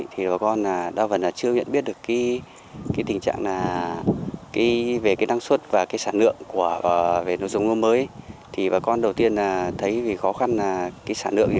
thì bà con đa phần là chưa biết được cái tình trạng là